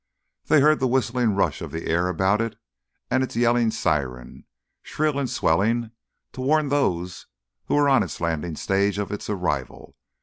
They heard the whistling rush of the air about it and its yelling siren, shrill and swelling, to warn those who were on its landing stage of its arrival.